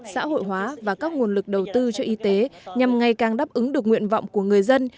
xã hội hóa và các nguồn lực đầu tư cho y tế nhằm ngày càng đáp ứng được nguyện vọng của người dân